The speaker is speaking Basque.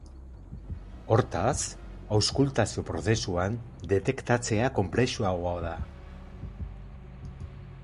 Hortaz, auskultazio-prozesuan detektatzea konplexuagoa da.